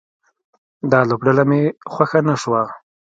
دا لوبډله مې خوښه نه شوه